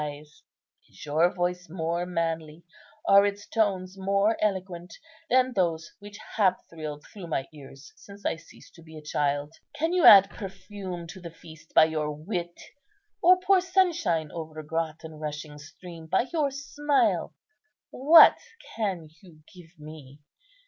Is your voice more manly, are its tones more eloquent, than those which have thrilled through my ears since I ceased to be a child? Can you add perfume to the feast by your wit, or pour sunshine over grot and rushing stream by your smile? What can you give me?